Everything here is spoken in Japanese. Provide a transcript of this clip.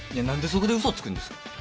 何でそこで嘘つくんですか？